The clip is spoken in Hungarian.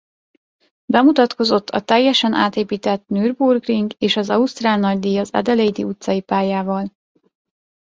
Bemutatkozott a teljesen átépített Nürburgring és az ausztrál nagydíj az adelaide-i utcai pályával.